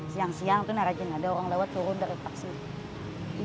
siang siang itu rajin ada orang lewat turun dari vaksin